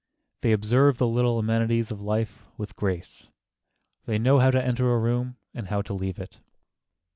They observe the little amenities of life with grace. They know how to enter a room and how to leave it.